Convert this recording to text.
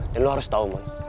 dan lo harus tau mun